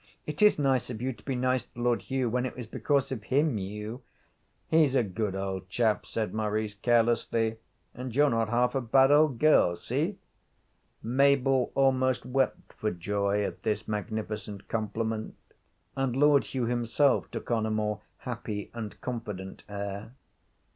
It is nice of you to be nice to Lord Hugh, when it was because of him you ' 'He's a good old chap,' said Maurice, carelessly. 'And you're not half a bad old girl. See?' Mabel almost wept for joy at this magnificent compliment, and Lord Hugh himself took on a more happy and confident air.